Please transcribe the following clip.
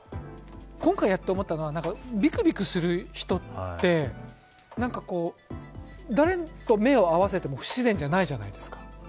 今回やって思ったのはビクビクする人って、誰と目を合わせても不自然じゃないじゃないですか。